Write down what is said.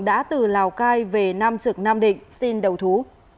đã từ lào cai về nam trực nam định xin đầu thú